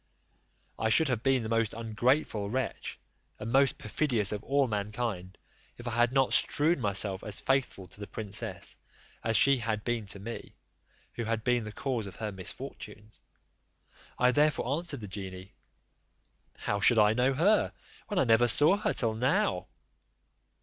I should have been the most ungrateful wretch, and the most perfidious of all mankind, if I had not strewn myself as faithful to the princess as she had been to me, who had been the cause of her misfortunes. I therefore answered the genie, "How should I know her, when I never saw her till now?"